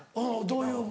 どういう歌？